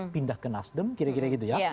pindah ke nasdem kira kira gitu ya